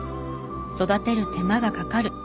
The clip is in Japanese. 育てる手間がかかる。